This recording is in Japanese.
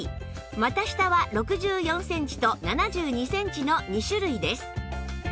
股下は６４センチと７２センチの２種類です